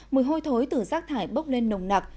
mùi hôi thối từ rác thải bốc lên nồng nặc